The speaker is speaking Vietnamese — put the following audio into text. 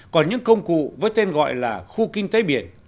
còn những công cụ với tên gọi là khu kinh tế biển